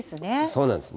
そうなんです。